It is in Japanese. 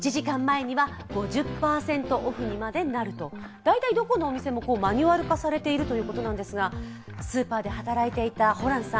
大体どこのお店もマニュアル化されているということなんですがスーパーで働いていたホランさん